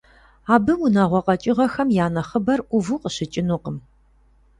Абы унагъуэ къэкӀыгъэхэм я нэхъыбэр Ӏуву къыщыкӀынукъым.